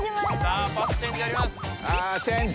あチェンジ。